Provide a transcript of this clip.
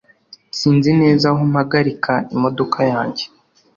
Sinzi neza aho mpagarika imodoka yanjye